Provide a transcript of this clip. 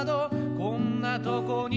「こんなとこに」